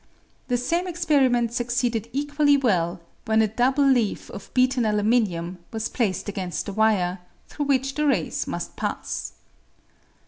The same experiment succeeded equally well when a double leaf of beaten aluminium was placed against the wire, through which the rays must pass.